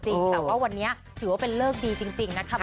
แต่ว่าวันนี้ถือว่าเป็นเลิกดีจริงนะคะ